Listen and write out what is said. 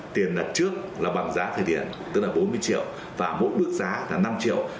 tiền đặt trước là bằng giá thời điểm tức là bốn mươi triệu và mỗi bước giá là năm triệu